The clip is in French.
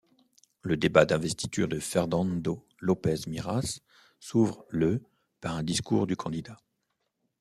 Le débat d'investiture de Fernando López Miras s'ouvre le par un discours du candidat.